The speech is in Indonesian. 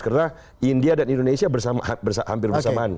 karena india dan indonesia hampir bersamaan